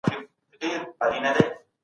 د ذوق پر رنګ درېدل د لوړ فکر نښه ده.